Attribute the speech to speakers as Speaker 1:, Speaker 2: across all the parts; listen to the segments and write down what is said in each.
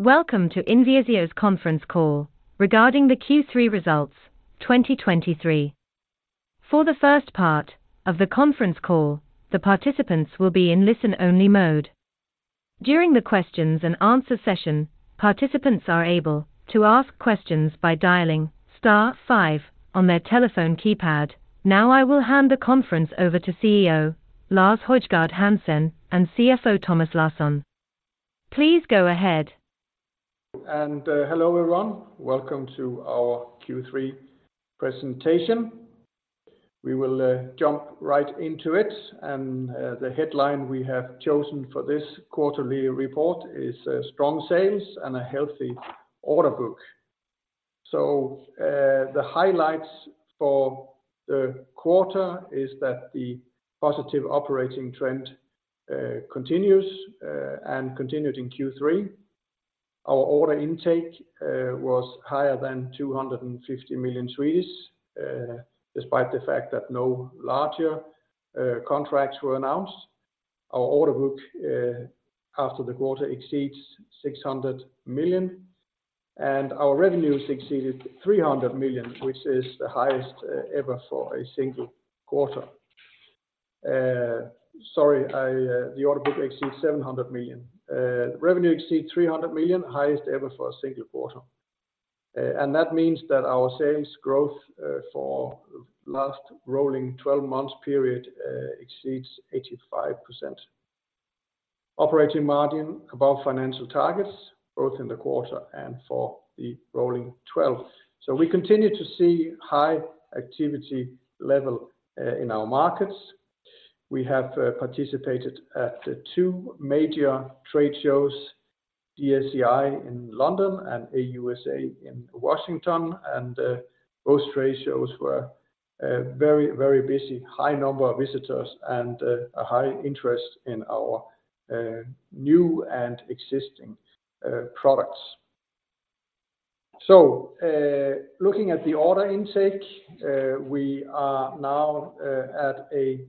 Speaker 1: Welcome to INVISIO's conference call regarding the Q3 results, 2023. For the first part of the conference call, the participants will be in listen-only mode. During the questions and answer session, participants are able to ask questions by dialing star five on their telephone keypad. Now, I will hand the conference over to CEO Lars Højgård Hansen and CFO Thomas Larsson. Please go ahead.
Speaker 2: Hello, everyone. Welcome to our Q3 presentation. We will jump right into it, and the headline we have chosen for this quarterly report is Strong Sales and a Healthy Order Book. So the highlights for the quarter is that the positive operating trend continues and continued in Q3. Our order intake was higher than 250 million despite the fact that no larger contracts were announced. Our order book after the quarter exceeds 600 million, and our revenues exceeded 300 million, which is the highest ever for a single quarter. Sorry, the order book exceeds 700 million. Revenue exceed 300 million, highest ever for a single quarter. And that means that our sales growth for last rolling 12 months period exceeds 85%. Operating margin above financial targets, both in the quarter and for the rolling 12. So we continue to see high activity level in our markets. We have participated at the two major trade shows, DSEI in London and AUSA in Washington, and those trade shows were very, very busy, high number of visitors and a high interest in our new and existing products. So looking at the order intake, we are now at a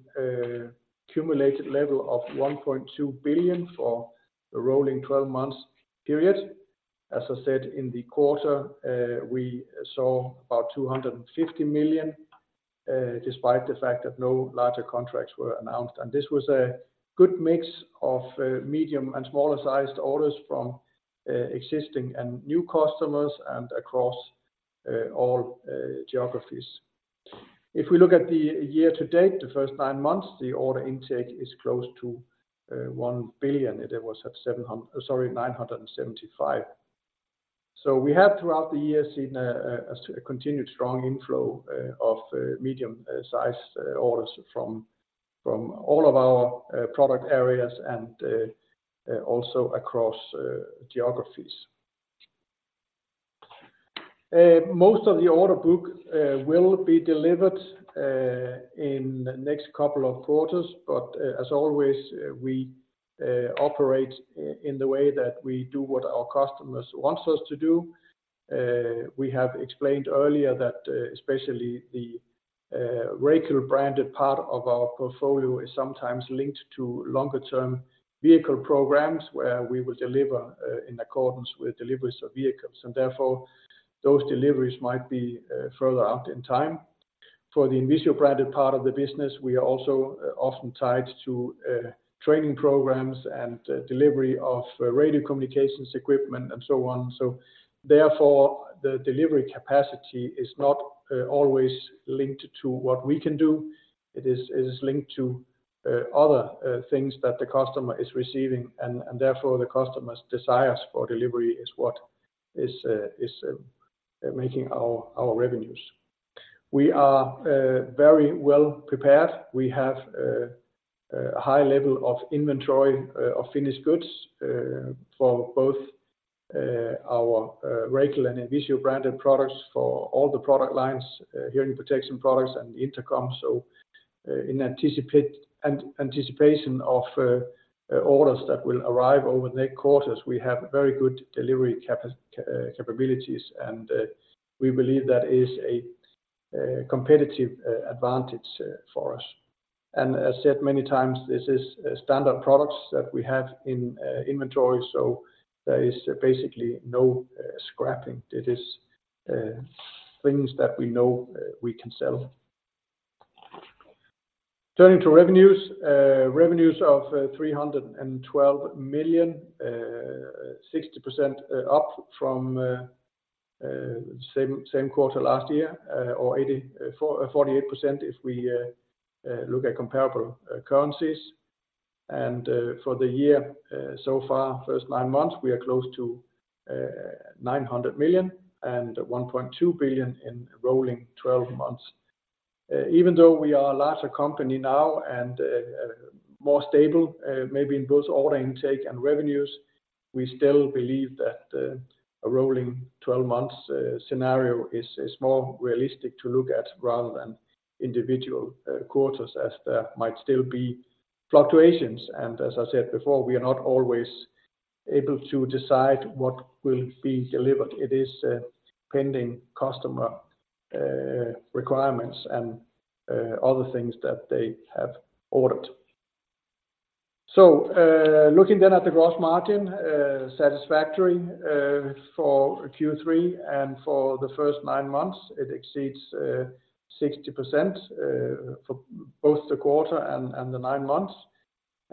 Speaker 2: cumulative level of 1.2 billion for a rolling twelve months period. As I said in the quarter, we saw about 250 million despite the fact that no larger contracts were announced, and this was a good mix of medium and smaller sized orders from existing and new customers and across all geographies. If we look at the year to date, the first nine months, the order intake is close to 1 billion. It was at 700 million—sorry, 975 million. So we have, throughout the years, seen a continued strong inflow of medium-sized orders from all of our product areas and also across geographies. Most of the order book will be delivered in the next couple of quarters, but as always, we operate in the way that we do what our customers wants us to do. We have explained earlier that, especially the Racal-branded part of our portfolio is sometimes linked to longer-term vehicle programs, where we will deliver in accordance with deliveries of vehicles, and therefore, those deliveries might be further out in time. For the INVISIO-branded part of the business, we are also often tied to training programs and delivery of radio communications equipment and so on. So therefore, the delivery capacity is not always linked to what we can do. It is linked to other things that the customer is receiving, and therefore, the customer's desires for delivery is what is making our revenues. We are very well prepared. We have a high level of inventory of finished goods for both our Racal and INVISIO-branded products for all the product lines, hearing protection products and intercom. So in anticipation of orders that will arrive over the next quarters, we have very good delivery capaci, capabilities, and we believe that is a competitive advantage for us. And as said many times, this is standard products that we have in inventory, so there is basically no scrapping. It is things that we know we can sell. Turning to revenues, revenues of 312 million, 60% up from same quarter last year, or 84, 48% if we look at comparable currencies. And for the year so far, first nine months, we are close to 900 million and 1.2 billion in rolling 12 months. Even though we are a larger company now and more stable, maybe in both order intake and revenues, we still believe that a rolling 12 months scenario is more realistic to look at rather than individual quarters, as there might still be fluctuations. And as I said before, we are not always able to decide what will be delivered. It is pending customer requirements and other things that they have ordered. So, looking then at the gross margin, satisfactory for Q3 and for the first nine months, it exceeds 60% for both the quarter and the nine months.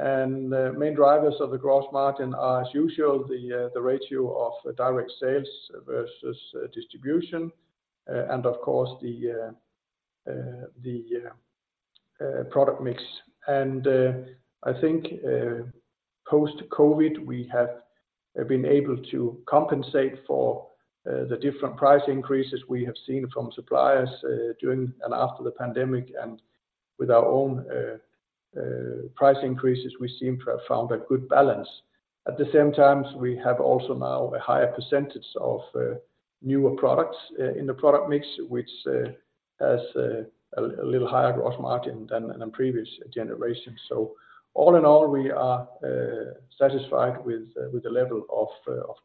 Speaker 2: And the main drivers of the gross margin are, as usual, the ratio of direct sales versus distribution and of course, the product mix. I think post-COVID, we have been able to compensate for the different price increases we have seen from suppliers during and after the pandemic. With our own price increases, we seem to have found a good balance. At the same time, we have also now a higher percentage of newer products in the product mix, which has a little higher gross margin than in previous generations. So all in all, we are satisfied with the level of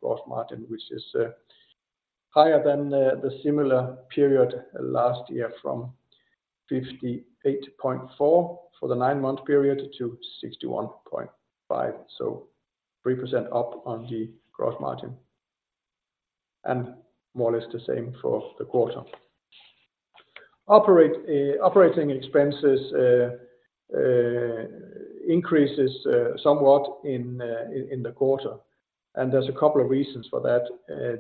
Speaker 2: gross margin, which is higher than the similar period last year, from 58.4% for the nine-month period to 61.5%. So 3% up on the gross margin, and more or less the same for the quarter. Operating expenses increases somewhat in the quarter, and there's a couple of reasons for that.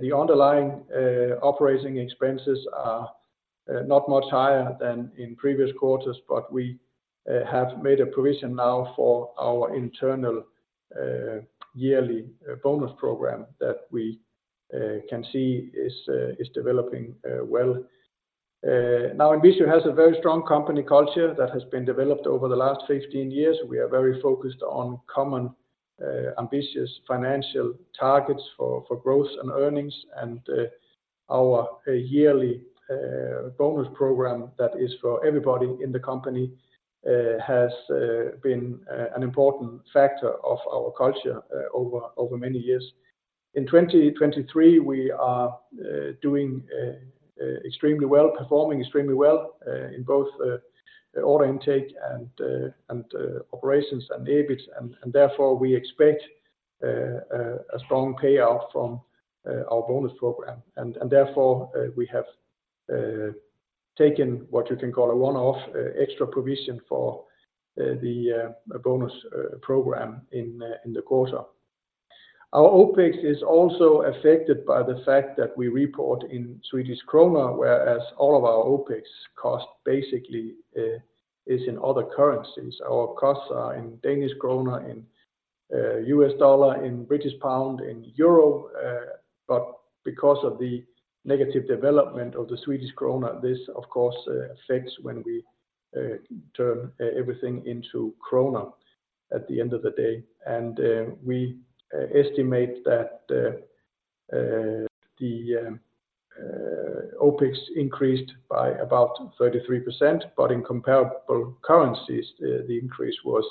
Speaker 2: The underlying operating expenses are not much higher than in previous quarters, but we have made a provision now for our internal yearly bonus program that we can see is developing well. Now INVISIO has a very strong company culture that has been developed over the last 15 years. We are very focused on common ambitious financial targets for growth and earnings, and our yearly bonus program, that is for everybody in the company, has been an important factor of our culture over many years. In 2023, we are doing extremely well, performing extremely well in both order intake and operations and EBIT. And therefore, we expect a strong payout from our bonus program, and therefore we have taken what you can call a one-off extra provision for the bonus program in the quarter. Our OpEx is also affected by the fact that we report in Swedish krona, whereas all of our OpEx cost basically is in other currencies. Our costs are in Danish krona, in U.S. dollar, in British pound, in Euro, but because of the negative development of the Swedish krona, this, of course, affects when we turn everything into krona at the end of the day. We estimate that the OpEx increased by about 33%, but in comparable currencies, the increase was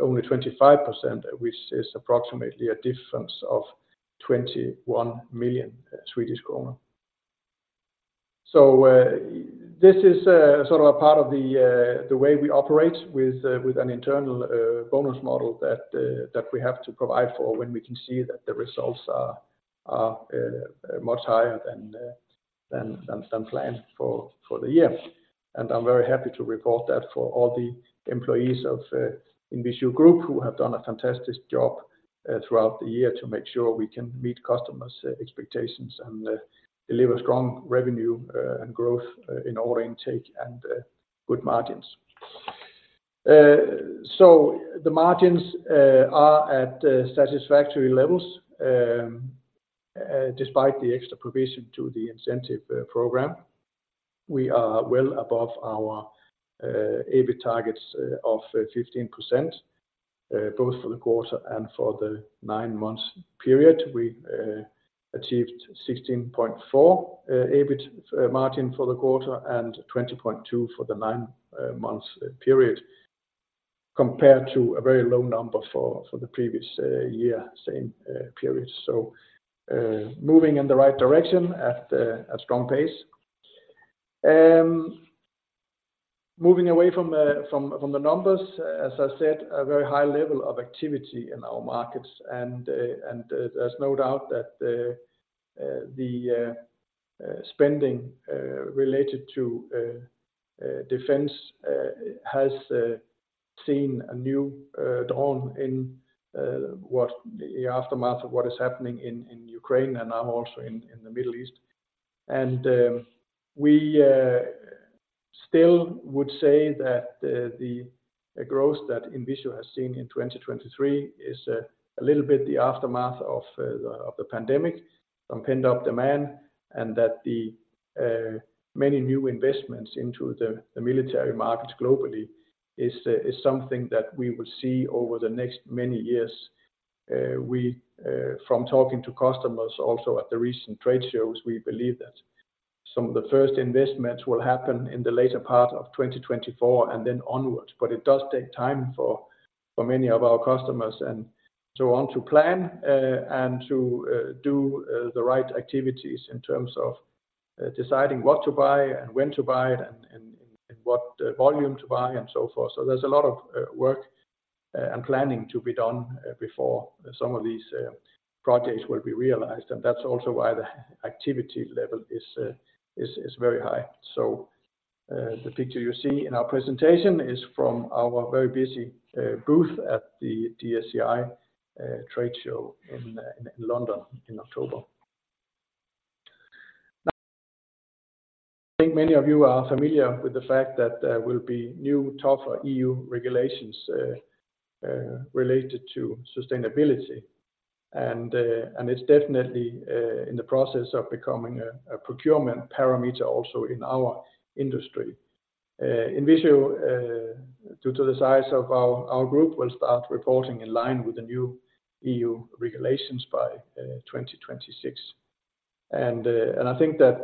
Speaker 2: only 25%, which is approximately a difference of 21 million Swedish kronor. So, this is sort of a part of the way we operate with an internal bonus model that we have to provide for when we can see that the results are much higher than planned for the year. I'm very happy to report that for all the employees of INVISIO Group, who have done a fantastic job throughout the year to make sure we can meet customers' expectations and deliver strong revenue and growth in order intake and good margins. So the margins are at satisfactory levels, despite the extra provision to the incentive program. We are well above our EBIT targets of 15%, both for the quarter and for the nine months period. We achieved 16.4 EBIT margin for the quarter and 20.2 for the nine months period, compared to a very low number for the previous year, same period. So, moving in the right direction at a strong pace. Moving away from the numbers, as I said, a very high level of activity in our markets, and there's no doubt that the spending related to defense has seen a new dawn in the aftermath of what is happening in Ukraine and now also in the Middle East. And we still would say that the growth that INVISIO has seen in 2023 is a little bit the aftermath of the pandemic, some pent-up demand, and that the many new investments into the military markets globally is something that we will see over the next many years. We, from talking to customers also at the recent trade shows, we believe that some of the first investments will happen in the later part of 2024 and then onwards, but it does take time for many of our customers and so on, to plan, and to do the right activities in terms of deciding what to buy, and when to buy it, and what volume to buy, and so forth. So there's a lot of work and planning to be done before some of these projects will be realized. And that's also why the activity level is very high. So, the picture you see in our presentation is from our very busy booth at the DSEI trade show in London in October. I think many of you are familiar with the fact that there will be new tougher EU regulations related to sustainability. And it's definitely in the process of becoming a procurement parameter also in our industry. In INVISIO, due to the size of our group, we'll start reporting in line with the new EU regulations by 2026. And I think that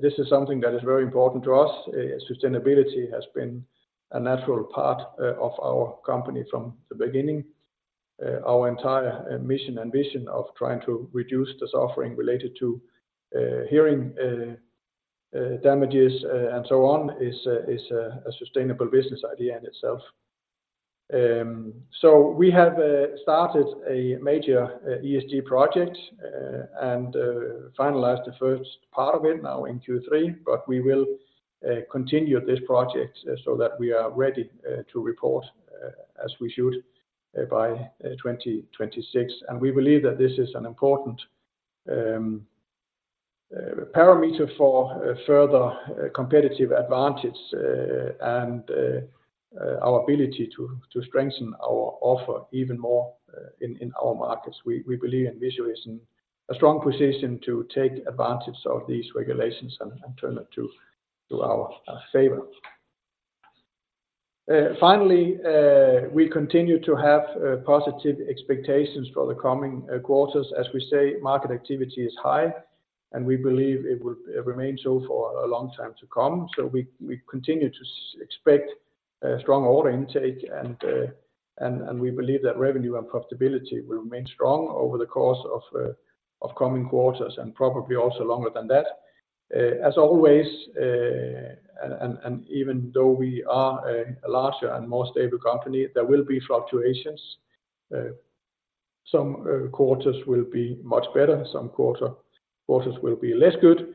Speaker 2: this is something that is very important to us. Sustainability has been a natural part of our company from the beginning. Our entire mission and vision of trying to reduce the suffering related to hearing damages and so on is a sustainable business idea in itself. So we have started a major ESG project and finalized the first part of it now in Q3, but we will continue this project so that we are ready to report as we should by 2026. We believe that this is an important parameter for a further competitive advantage and our ability to strengthen our offer even more in our markets. We believe INVISIO is in a strong position to take advantage of these regulations and turn it to our favor. Finally, we continue to have positive expectations for the coming quarters. As we say, market activity is high, and we believe it will remain so for a long time to come. So we continue to expect strong order intake, and we believe that revenue and profitability will remain strong over the course of coming quarters, and probably also longer than that. As always, even though we are a larger and more stable company, there will be fluctuations. Some quarters will be much better, some quarters will be less good.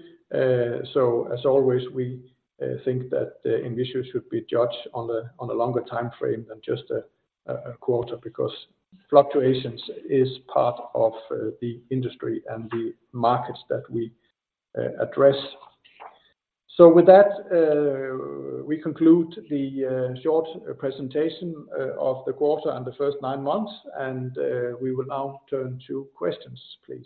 Speaker 2: So as always, we think that INVISIO should be judged on a longer time frame than just a quarter, because fluctuations is part of the industry and the markets that we address. So with that, we conclude the short presentation of the quarter and the first nine months, and we will now turn to questions, please.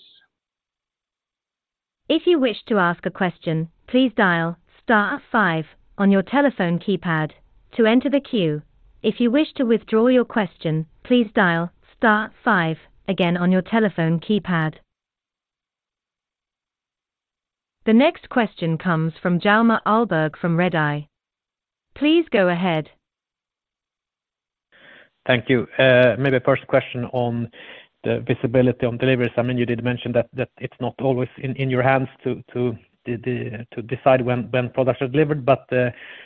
Speaker 1: If you wish to ask a question, please dial star five on your telephone keypad to enter the queue. If you wish to withdraw your question, please dial star five again on your telephone keypad. The next question comes from Hjalmar Ahlberg from Redeye. Please go ahead.
Speaker 3: Thank you. Maybe first question on the visibility on deliveries. I mean, you did mention that it's not always in your hands to decide when products are delivered, but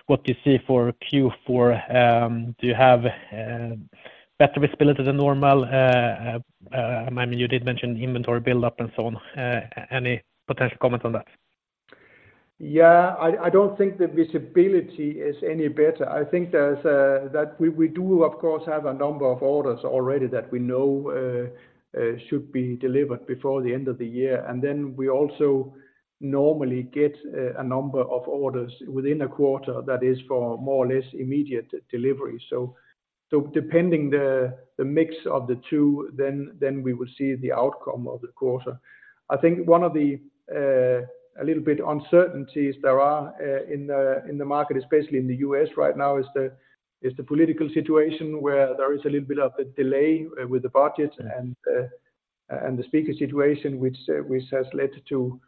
Speaker 3: what you see for Q4, do you have better visibility than normal? I mean, you did mention inventory buildup and so on. Any potential comments on that?
Speaker 2: Yeah, I don't think the visibility is any better. I think that we do, of course, have a number of orders already that we know should be delivered before the end of the year. And then we also normally get a number of orders within a quarter that is for more or less immediate delivery. So depending the mix of the two, then we will see the outcome of the quarter. I think one of the a little bit uncertainties there are in the market, especially in the U.S. right now, is the political situation where there is a little bit of a delay with the budget and the speaker situation, which has led to.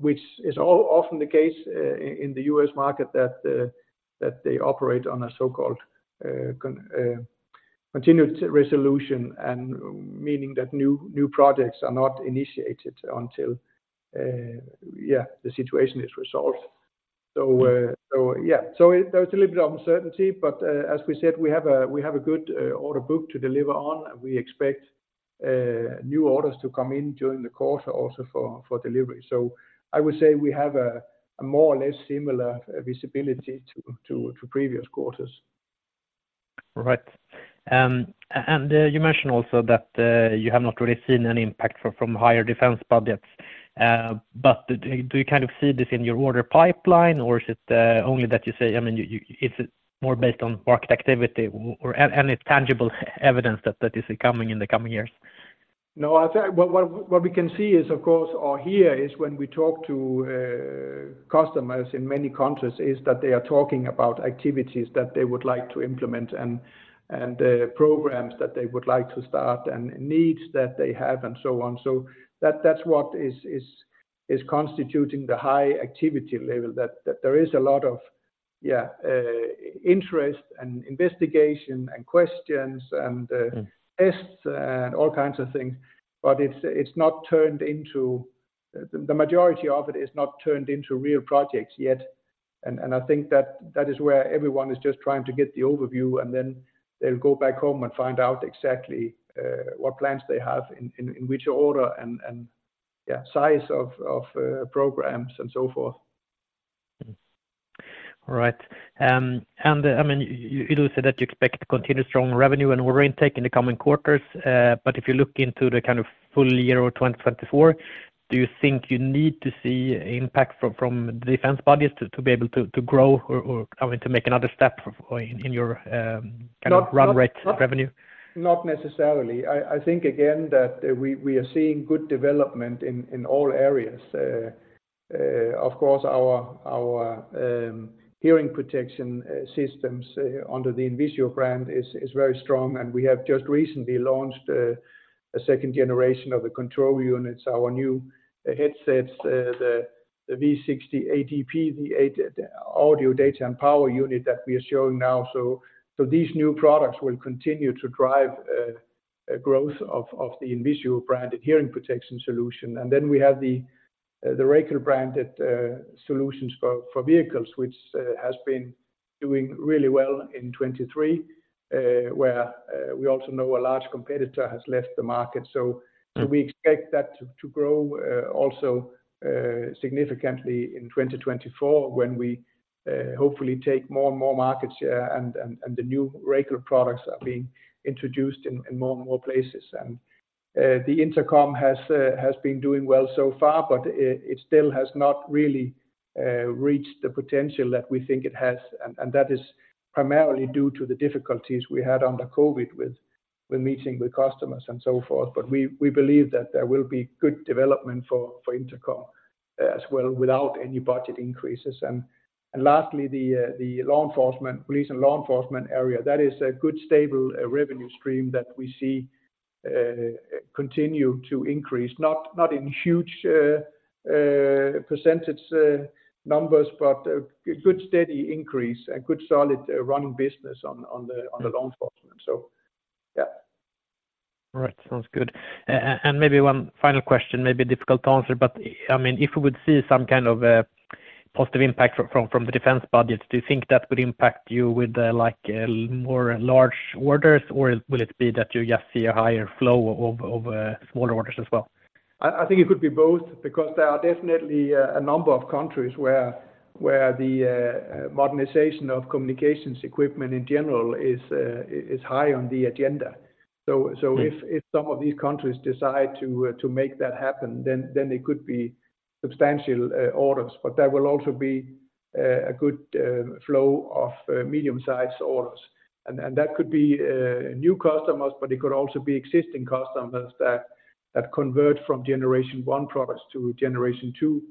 Speaker 2: Which is often the case in the U.S. market, that they operate on a so-called continuing resolution, and meaning that new projects are not initiated until yeah, the situation is resolved. So yeah. So there's a little bit of uncertainty, but as we said, we have a good order book to deliver on, and we expect new orders to come in during the quarter also for delivery. So I would say we have a more or less similar visibility to previous quarters.
Speaker 3: Right. And you mentioned also that you have not really seen any impact from higher defense budgets. But do you kind of see this in your order pipeline, or is it only that you say, I mean, is it more based on market activity or any tangible evidence that is coming in the coming years?
Speaker 2: What we can see is, of course, or hear, is when we talk to customers in many countries, is that they are talking about activities that they would like to implement and programs that they would like to start, and needs that they have, and so on. So that's what is constituting the high activity level, that there is a lot of interest and investigation and questions and tests and all kinds of things, but it's not turned into. The majority of it is not turned into real projects yet. I think that is where everyone is just trying to get the overview, and then they'll go back home and find out exactly what plans they have in which order and, yeah, size of programs and so forth.
Speaker 3: All right. And I mean, you, you do say that you expect to continue strong revenue and order intake in the coming quarters, but if you look into the kind of full year of 2024, do you think you need to see impact from, from the defense budgets to, to be able to, to grow or, or, I mean, to make another step in your, kind of run rate of revenue?
Speaker 2: Not necessarily. I think again that we are seeing good development in all areas. Of course, our hearing protection systems under the INVISIO brand is very strong, and we have just recently launched a second generation of the control units, our new headsets, the V60 ADP, the audio data and power unit that we are showing now. So these new products will continue to drive a growth of the INVISIO brand and hearing protection solution. And then we have the Racal branded solutions for vehicles, which has been doing really well in 2023, where we also know a large competitor has left the market. So, we expect that to grow also significantly in 2024, when we hopefully take more and more market share and the new Racal products are being introduced in more and more places. And, the intercom has been doing well so far, but it still has not really reached the potential that we think it has, and that is primarily due to the difficulties we had under COVID with meeting with customers and so forth. But we believe that there will be good development for intercom as well, without any budget increases. And lastly, the law enforcement, police and law enforcement area, that is a good stable revenue stream that we see continue to increase. Not, not in huge percentage numbers, but a good steady increase and good solid running business on, on the-
Speaker 3: Mm-hmm.
Speaker 2: On the law enforcement. So, yeah.
Speaker 3: All right. Sounds good. And maybe one final question, maybe difficult to answer, but, I mean, if we would see some kind of a positive impact from the defense budget, do you think that would impact you with, like, more large orders, or will it be that you just see a higher flow of smaller orders as well?
Speaker 2: I think it could be both, because there are definitely a number of countries where the modernization of communications equipment in general is high on the agenda. So,
Speaker 3: Mm-hmm
Speaker 2: If some of these countries decide to make that happen, then it could be substantial orders, but there will also be a good flow of medium-sized orders. And that could be new customers, but it could also be existing customers that convert from generation one products to generation two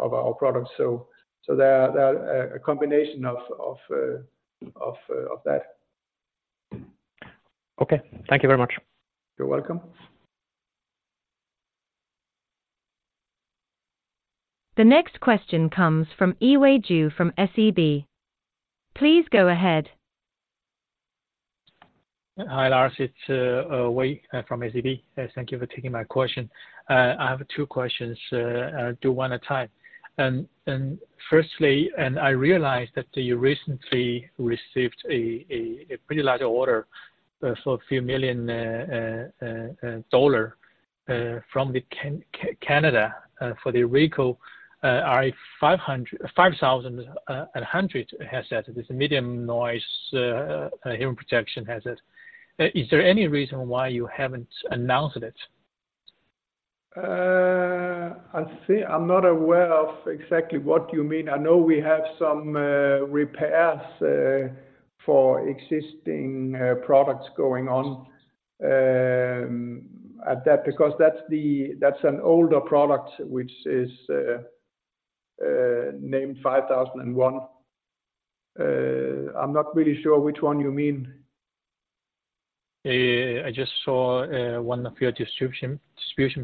Speaker 2: of our products. So there are a combination of that.
Speaker 3: Okay. Thank you very much.
Speaker 2: You're welcome.
Speaker 1: The next question comes from Yiwei Zhou from SEB. Please go ahead.
Speaker 4: Hi, Lars, it's Yiwei from SEB. Thank you for taking my question. I have two questions, do one at a time. Firstly, I realized that you recently received a pretty large order for a few million dollar from Canada for the Racal 5100 headsets. This medium noise hearing protection headset. Is there any reason why you haven't announced it?
Speaker 2: I see. I'm not aware of exactly what you mean. I know we have some repairs for existing products going on at that, because that's an older product, which is named 5001. I'm not really sure which one you mean.
Speaker 4: I just saw one of your distribution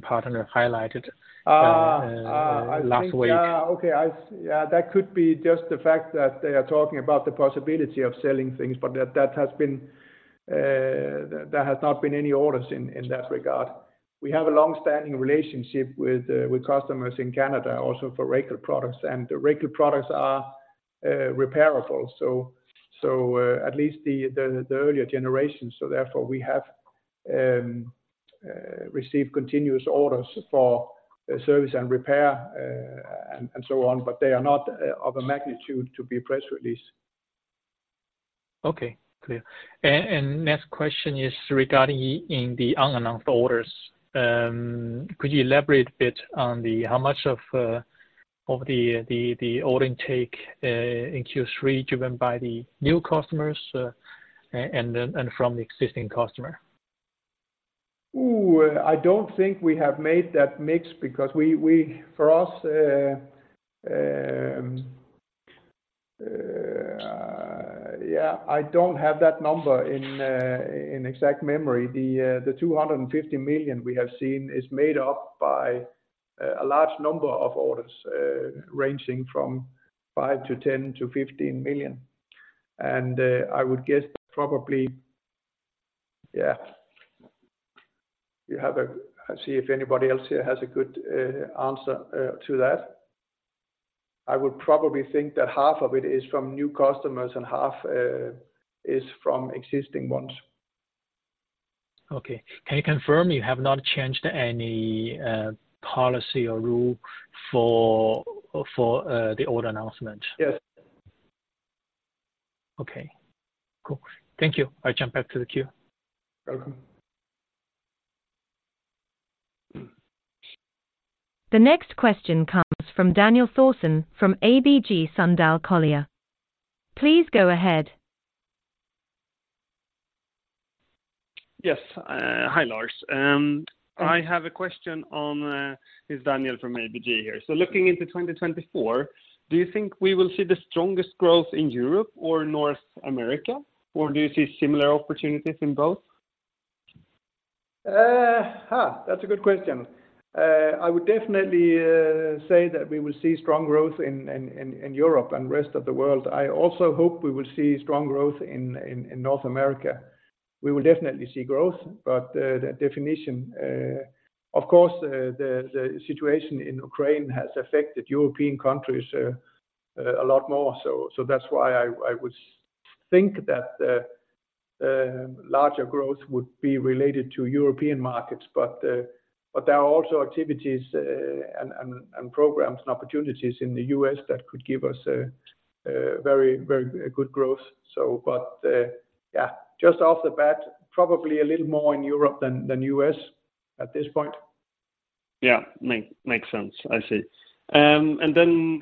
Speaker 4: partner highlighted-
Speaker 2: Ah.
Speaker 4: Last week.
Speaker 2: Okay. Yeah, that could be just the fact that they are talking about the possibility of selling things, but that, that has been, there has not been any orders in, in that regard. We have a long-standing relationship with, with customers in Canada, also for Racal products, and the Racal products are, repairable. So, so, at least the, the, the earlier generations, so therefore, we have, received continuous orders for service and repair, and, and so on, but they are not, of a magnitude to be press released.
Speaker 4: Okay, clear. Next question is regarding in the unannounced orders. Could you elaborate a bit on how much of the order intake in Q3, driven by the new customers and from the existing customer?
Speaker 2: I don't think we have made that mix because for us. Yeah, I don't have that number in exact memory. The 250 million we have seen is made up by a large number of orders ranging from 5 million to 15 million. I would guess probably. Yeah, let's see if anybody else here has a good answer to that. I would probably think that half of it is from new customers and half is from existing ones.
Speaker 4: Okay. Can you confirm you have not changed any policy or rule for the order announcement?
Speaker 2: Yes.
Speaker 4: Okay, cool. Thank you. I jump back to the queue.
Speaker 2: Welcome.
Speaker 1: The next question comes from Daniel Thorsson, from ABG Sundal Collier. Please go ahead.
Speaker 5: Yes. Hi, Lars. I have a question on, it's Daniel from ABG here. So looking into 2024, do you think we will see the strongest growth in Europe or North America, or do you see similar opportunities in both?
Speaker 2: Ha! That's a good question. I would definitely say that we will see strong growth in Europe and rest of the world. I also hope we will see strong growth in North America. We will definitely see growth, but the definition. Of course, the situation in Ukraine has affected European countries a lot more. So that's why I would think that the larger growth would be related to European markets. But there are also activities and programs and opportunities in the U.S. that could give us a very good growth. So but, yeah, just off the bat, probably a little more in Europe than U.S. at this point.
Speaker 5: Yeah. Makes sense. I see. And then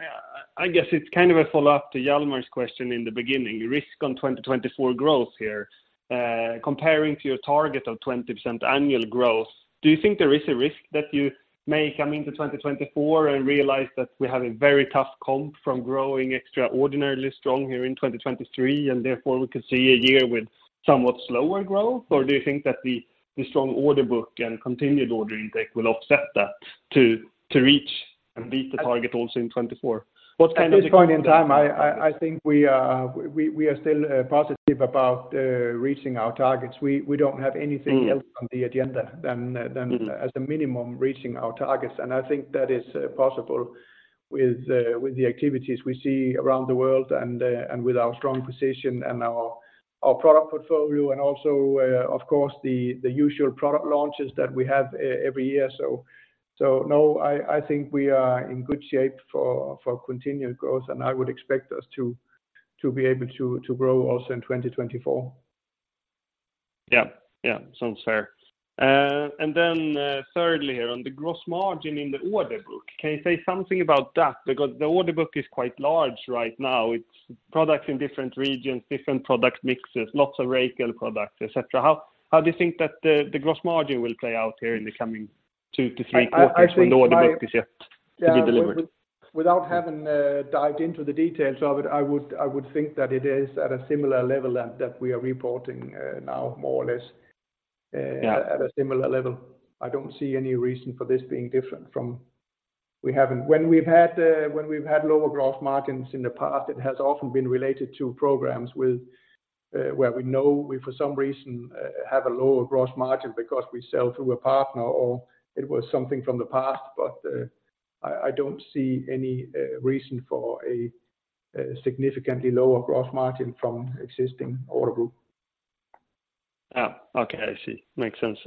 Speaker 5: I guess it's kind of a follow-up to Hjalmar's question in the beginning, risk on 2024 growth here. Comparing to your target of 20% annual growth, do you think there is a risk that you may come into 2024 and realize that we have a very tough comp from growing extraordinarily strong here in 2023, and therefore, we could see a year with somewhat slower growth? Or do you think that the strong order book and continued order intake will offset that to reach and beat the target also in 2024? What kind of-
Speaker 2: At this point in time, I think we are still positive about reaching our targets. We don't have anything else on the agenda than as a minimum, reaching our targets. And I think that is possible with the activities we see around the world and with our strong position and our product portfolio, and also, of course, the usual product launches that we have every year. So, no, I think we are in good shape for continued growth, and I would expect us to be able to grow also in 2024.
Speaker 5: Yeah. Yeah, sounds fair. And then, thirdly, on the gross margin in the order book, can you say something about that? Because the order book is quite large right now. It's products in different regions, different product mixes, lots of Racal products, et cetera. How do you think that the gross margin will play out here in the coming two to three quarters-
Speaker 2: I think I-
Speaker 5: With the order book to get to be delivered.
Speaker 2: Without having dived into the details of it, I would think that it is at a similar level that we are reporting now, more or less.
Speaker 5: Yeah
Speaker 2: At a similar level. I don't see any reason for this being different from, when we've had lower gross margins in the past, it has often been related to programs with where we know we, for some reason, have a lower gross margin because we sell through a partner or it was something from the past. But, I don't see any reason for a significantly lower gross margin from existing order group.
Speaker 5: Ah, okay. I see. Makes sense.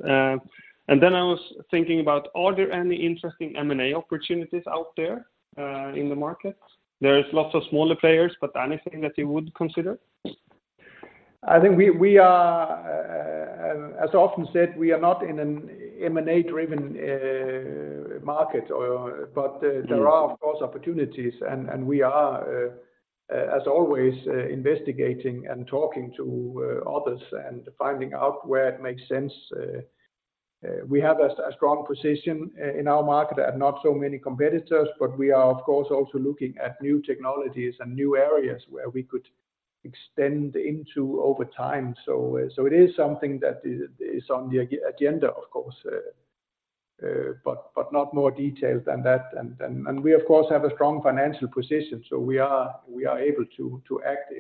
Speaker 5: And then I was thinking about, are there any interesting M&A opportunities out there, in the market? There is lots of smaller players, but anything that you would consider?
Speaker 2: I think we are, as often said, we are not in an M&A-driven market but there are, of course, opportunities, and we are, as always, investigating and talking to others and finding out where it makes sense. We have a strong position in our market and not so many competitors, but we are, of course, also looking at new technologies and new areas where we could extend into over time. So, it is something that is on the agenda, of course, but not more detailed than that. And we, of course, have a strong financial position, so we are able to act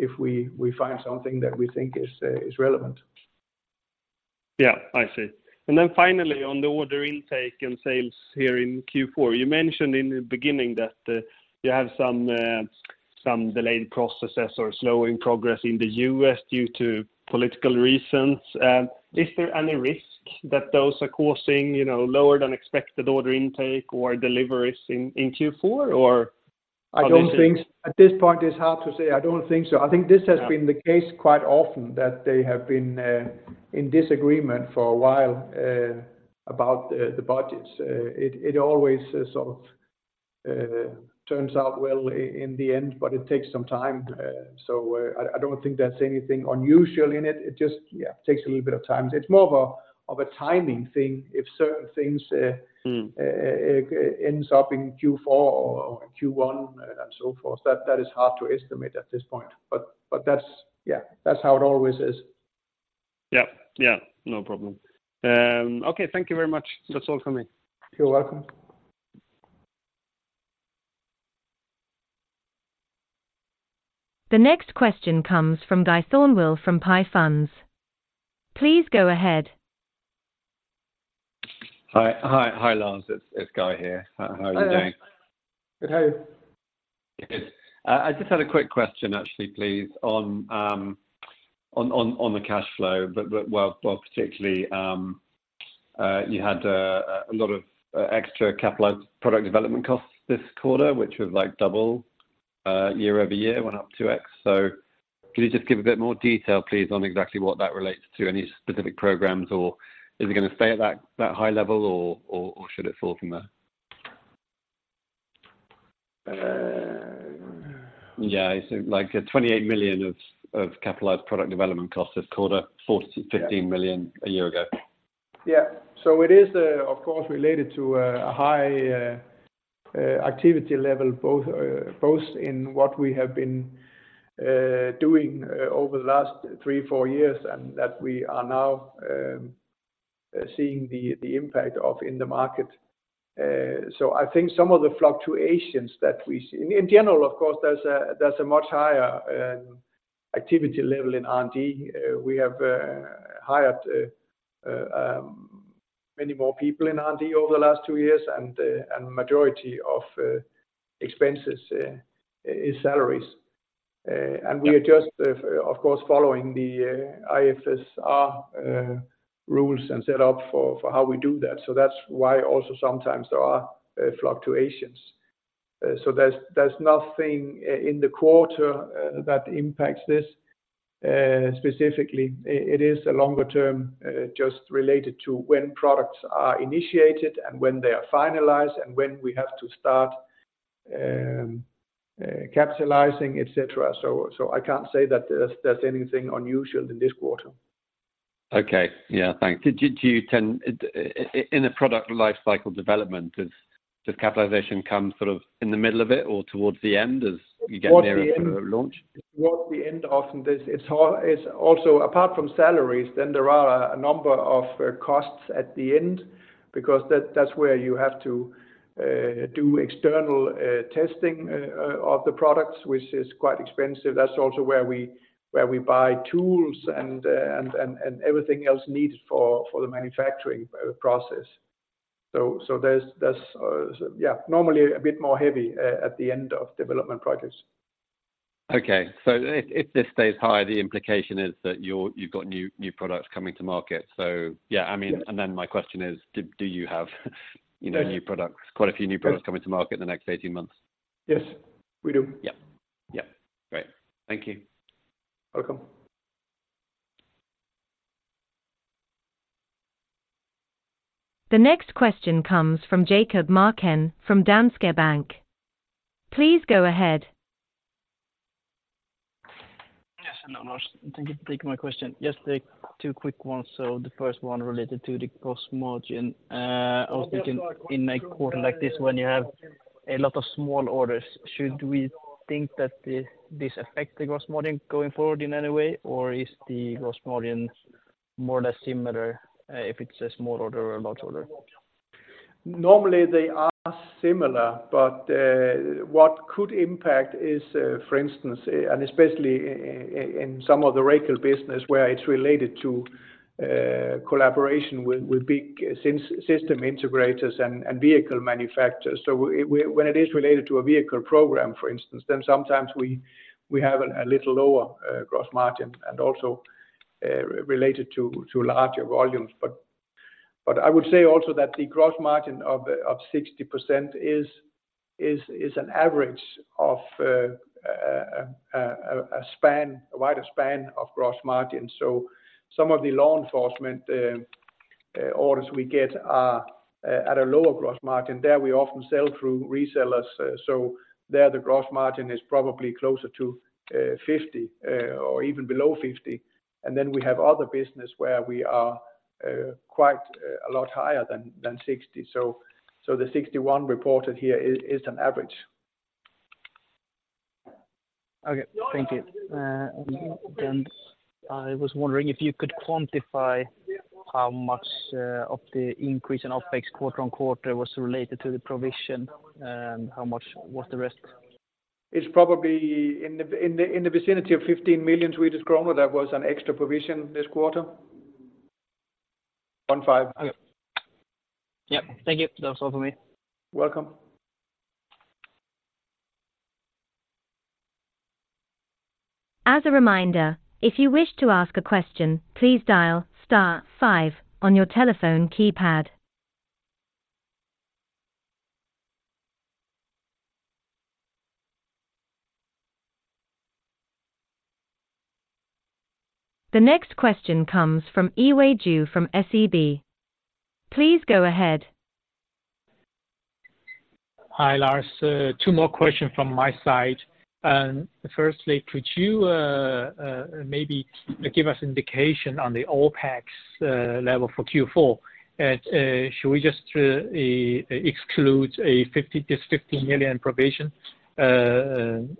Speaker 2: if we find something that we think is relevant.
Speaker 5: Yeah, I see. And then finally, on the order intake and sales here in Q4, you mentioned in the beginning that you have some delayed processes or slowing progress in the U.S. due to political reasons. Is there any risk that those are causing lower than expected order intake or deliveries in Q4, or?
Speaker 2: I don't think. At this point, it's hard to say. I don't think so. I think this has been the case quite often, that they have been in disagreement for a while about the budgets. It always sort of turns out well in the end, but it takes some time. So, I don't think there's anything unusual in it. It just, yeah, takes a little bit of time. It's more of a timing thing if certain things.
Speaker 5: Mm
Speaker 2: Ends up in Q4 or Q1 and so forth. That is hard to estimate at this point. But that's, yeah, that's how it always is.
Speaker 4: Yep. Yeah, no problem. Okay, thank you very much. That's all for me.
Speaker 2: You're welcome.
Speaker 1: The next question comes from Guy Thornewill from Pie Funds. Please go ahead.
Speaker 6: Hi, Lars. It's Guy here.
Speaker 2: Hiya.
Speaker 6: How are you doing?
Speaker 2: Good. How are you?
Speaker 6: Good. I just had a quick question, actually, please, on the cash flow, but well, particularly, you had a lot of extra capitalized product development costs this quarter, which was like double year-over-year, went up 2x. So can you just give a bit more detail, please, on exactly what that relates to, any specific programs, or is it gonna stay at that high level, or should it fall from there? Yeah, I think like 28 million of capitalized product development costs this quarter, 14-15 million a year ago.
Speaker 2: Yeah. So it is, of course, related to a high activity level, both in what we have been doing over the last 3-4 years, and that we are now seeing the impact of in the market. So I think some of the fluctuations that we see in general, of course, there's a much higher activity level in R&D. We have hired many more people in R&D over the last two years, and majority of expenses is salaries.
Speaker 6: Yeah.
Speaker 2: And we are just, of course, following the IFRS rules and set up for how we do that. So that's why also sometimes there are fluctuations. So there's nothing in the quarter that impacts this specifically. It is a longer term just related to when products are initiated and when they are finalized, and when we have to start capitalizing, et cetera. So I can't say that there's anything unusual in this quarter.
Speaker 6: Okay. Yeah, thanks. Do you tend in a product life cycle development, does capitalization come sort of in the middle of it or towards the end, as you get-
Speaker 2: Towards the end
Speaker 6: Nearer to launch?
Speaker 2: Towards the end of this. It's all. It's also, apart from salaries, then there are a number of costs at the end, because that's where you have to do external testing of the products, which is quite expensive. That's also where we buy tools and everything else needed for the manufacturing process. So, there's yeah, normally a bit more heavy at the end of development projects.
Speaker 6: Okay. So if this stays high, the implication is that you've got new products coming to market. So yeah, I mean-
Speaker 2: Yeah.
Speaker 6: And then my question is, do you have, you know-
Speaker 2: Yeah
Speaker 6: New products, quite a few new products coming to market in the next 18 months?
Speaker 2: Yes, we do.
Speaker 6: Yep. Yep, great. Thank you.
Speaker 2: Welcome.
Speaker 1: The next question comes from Jakob Marken, from Danske Bank. Please go ahead.
Speaker 7: Yes, hello, Lars. Thank you for taking my question. Just, two quick ones. So the first one related to the gross margin. I was thinking in a quarter like this, when you have a lot of small orders, should we think that the, this affect the gross margin going forward in any way, or is the gross margin more or less similar, if it's a small order or large order?
Speaker 2: Normally, they are similar, but what could impact is, for instance, and especially in some of the retail business, where it's related to collaboration with big system integrators and vehicle manufacturers. So when it is related to a vehicle program, for instance, then sometimes we have a little lower gross margin, and also related to larger volumes. But I would say also that the gross margin of 60% is an average of a wider span of gross margin. So some of the law enforcement orders we get are at a lower gross margin. There we often sell through resellers, so there, the gross margin is probably closer to 50 or even below 50. Then we have other business where we are quite a lot higher than 60. The 61 reported here is an average.
Speaker 7: Okay, thank you. And I was wondering if you could quantify how much of the increase in OpEx quarter-on-quarter was related to the provision, and how much was the rest?
Speaker 2: It's probably in the vicinity of 15 million Swedish kronor. That was an extra provision this quarter. 15.
Speaker 7: Okay. Yep, thank you. That's all for me.
Speaker 2: Welcome.
Speaker 1: As a reminder, if you wish to ask a question, please dial star five on your telephone keypad. The next question comes from Yiwei Zhou, from SEB. Please go ahead.
Speaker 4: Hi, Lars. Two more questions from my side, and firstly, could you maybe give us indication on the OpEx level for Q4? And should we just exclude this SEK 15 million provision? And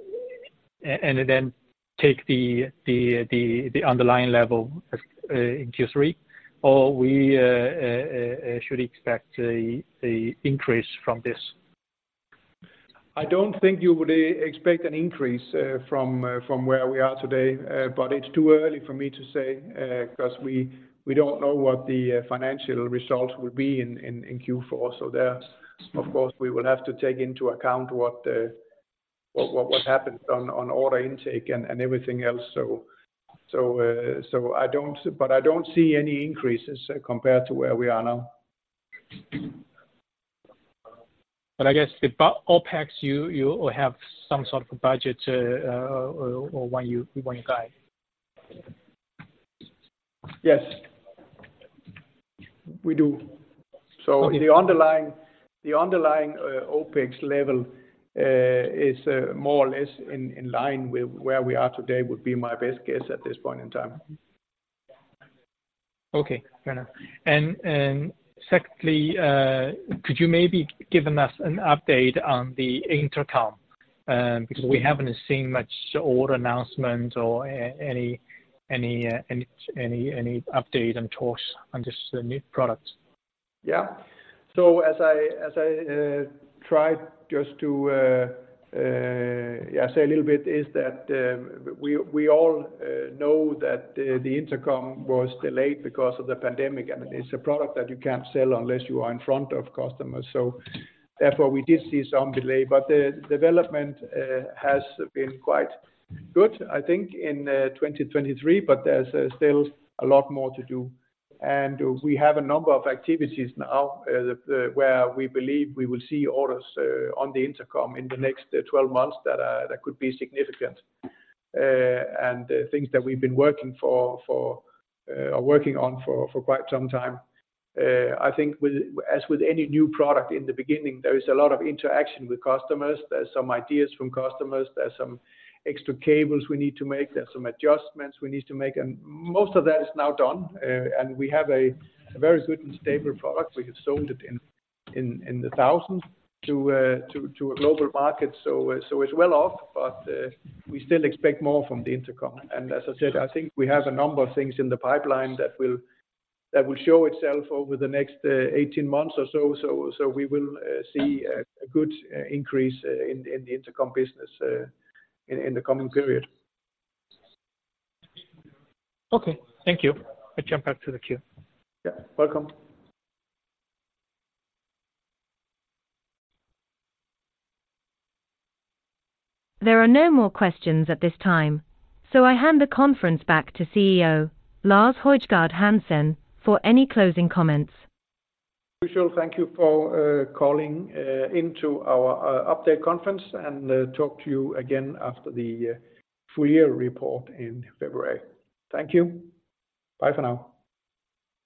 Speaker 4: then take the underlying level in Q3, or we should expect the increase from this?
Speaker 2: I don't think you would expect an increase from where we are today. But it's too early for me to say 'cause we don't know what the financial results will be in Q4. So there, of course, we will have to take into account what happened on order intake and everything else. So, but I don't see any increases compared to where we are now.
Speaker 4: But I guess the OpEx, you will have some sort of a budget, or when you guide?
Speaker 2: Yes, we do. So the underlying OpEx level is more or less in line with where we are today, would be my best guess at this point in time.
Speaker 4: Okay, fair enough. Secondly, could you maybe given us an update on the intercom? Because we haven't seen much order announcements or any update on talks on this new products.
Speaker 2: Yeah. So as I tried just to say a little bit, is that we all know that the intercom was delayed because of the pandemic, and it's a product that you can't sell unless you are in front of customers. So therefore, we did see some delay, but the development has been quite good, I think, in 2023, but there's still a lot more to do. And we have a number of activities now, where we believe we will see orders on the intercom in the next 12 months that could be significant. And the things that we've been working on for quite some time. I think, as with any new product, in the beginning, there is a lot of interaction with customers. There's some ideas from customers. There's some extra cables we need to make. There's some adjustments we need to make, and most of that is now done. We have a very good and stable product. We have sold it in the thousands to a global market. It's well off, but we still expect more from the intercom. As I said, I think we have a number of things in the pipeline that will show itself over the next 18 months or so. We will see a good increase in the intercom business in the coming period.
Speaker 4: Okay. Thank you. I jump back to the queue.
Speaker 2: Yeah. Welcome.
Speaker 1: There are no more questions at this time, so I hand the conference back to CEO, Lars Højgård Hansen, for any closing comments.
Speaker 2: We shall thank you for calling into our update conference, and talk to you again after the full year report in February. Thank you. Bye for now.